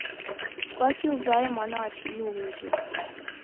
Kwaki uvae mwana wa chilu huwo?